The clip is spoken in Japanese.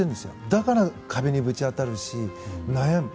だから、壁にぶち当たるし悩む。